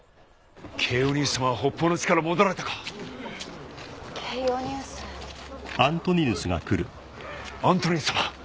ケイオニウス様は北方の地から戻られたかケイオニウスアントニヌス様